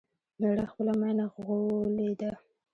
مېړه خپله ماينه غوولې ده